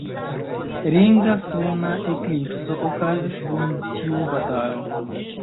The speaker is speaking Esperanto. Ringa suna eklipso okazis dum tiu batalo.